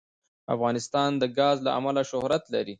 افغانستان د ګاز له امله شهرت لري.